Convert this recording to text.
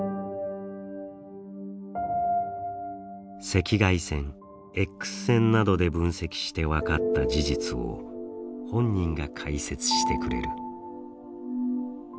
赤外線Ｘ線などで分析して分かった事実を本人が解説してくれる。